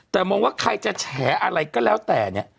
แต่มองว่าใครจะแฉอะไรก็แล้วแต่เนี่ย